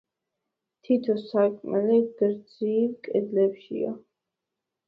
თითო სარკმელი გრძივ კედლებშია.